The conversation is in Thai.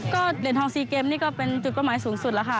ก็เหรียญทอง๔เกมนี่ก็เป็นจุดเป้าหมายสูงสุดแล้วค่ะ